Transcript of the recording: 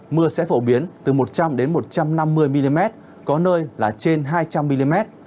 mưa sẽ phổ biến từ một trăm linh một trăm năm mươi mm có nơi là trên hai trăm linh mm